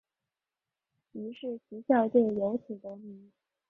于是其校队由此得名。